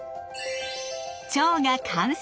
蝶が完成！